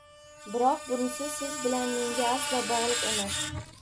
Biroq bunisi siz bilan menga aslo bog‘liq emas